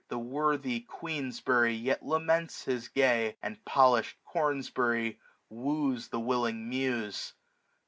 The worthy Queensb'ry yet laments his Gay ; And polish'd Cornbury wooes the willing Muse.